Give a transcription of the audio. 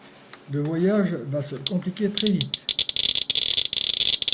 Le voyage va se compliquer très vite…